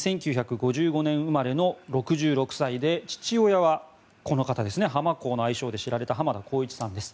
１９５５年生まれの６６歳で父親はこの方ハマコーの愛称で知られた浜田幸一さんです。